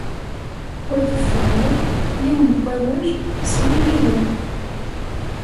Wa deffir wa, yiwen n wawal, iswi yiwen.